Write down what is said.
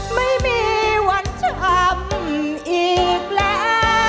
ไม่มีวันช้ำอีกแล้ว